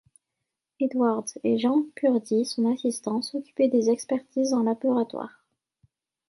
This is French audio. Edwards et Jean Purdy, son assistant, s'occupaient des expertises en laboratoire.